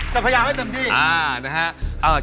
จะพยายามให้เต็มที่